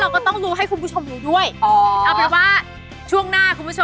เราไม่ต้องทำดีมั้ยเพราะมันน่าทานไปแล้ว